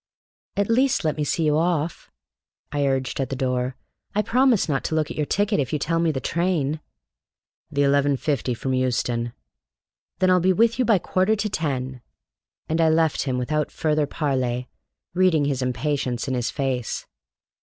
"At least let me see you off," I urged at the door. "I promise not to look at your ticket if you tell me the train!" "The eleven fifty from Euston." "Then I'll be with you by quarter to ten." And I left him without further parley, reading his impatience in his face.